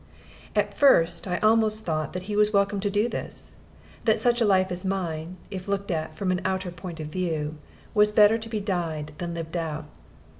At first I almost thought that he was welcome to do this; that such a life as mine (if looked at from an outer point of view) was better to be died than lived out.